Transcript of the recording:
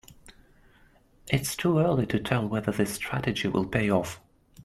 It's too early to tell whether the strategy will pay off.